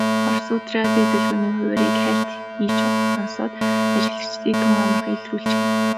Оросууд радио долгионы хуваарийг хайлт хийж сонсоод ажиглагчдыг тун амархан илрүүлчихнэ.